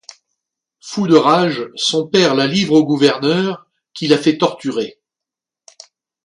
Fou de rage, son père la livre au gouverneur, qui la fait torturer.